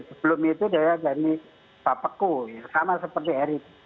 sebelum itu dia dari papaku ya sama seperti erick